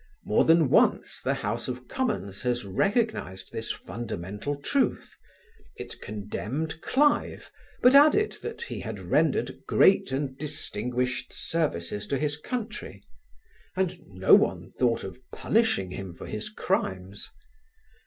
More than once the House of Commons has recognised this fundamental truth; it condemned Clive but added that he had rendered "great and distinguished services to his country"; and no one thought of punishing him for his crimes.